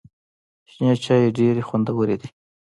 شنې چای ډېري خوندوري دي .